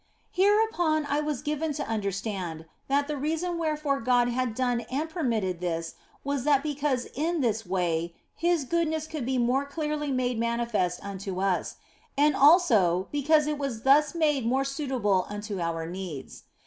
Hereupon was I given to understand that the reason wherefore God had done and permitted this was that because in this way His goodness could be more clearly made manifest unto us, and also because it was thus made more suitable unto our needs.